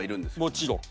もちろん。